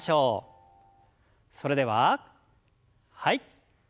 それでははい。